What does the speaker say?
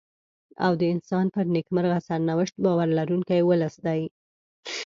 او د انسان پر نېکمرغه سرنوشت باور لرونکی ولس دی.